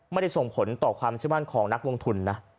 ไม่ได้ส่งผลต่อความเชื่อมั่นของนักลงทุนนะ